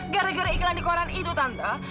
gara gara iklan di koran itu tante